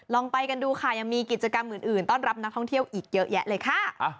ลองไปกันดูค่ะยังมีกิจกรรมอื่นต้อนรับนักท่องเที่ยวอีกเยอะแยะเลยค่ะ